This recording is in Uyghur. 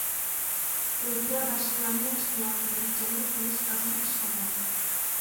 ئۆزىگە باشقىلارنىڭ ئىشتىياقىنى جەلپ قىلىش ئاسان ئىش ئەمەس.